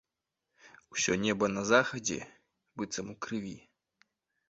Усё неба на захадзе быццам у крыві.